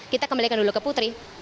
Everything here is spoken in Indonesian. kita kembalikan dulu ke putri